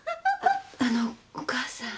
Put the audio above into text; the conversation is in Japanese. あのうお母さん。